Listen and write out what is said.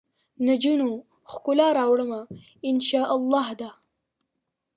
نجونو ؛ ښکلا راوړمه ، ان شا اللهدا